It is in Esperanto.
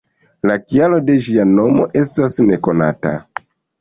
La kialo de ĝia nomo estas nekonata.